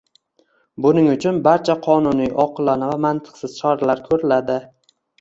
Buning uchun barcha qonuniy, oqilona va mantiqsiz choralar ko'riladi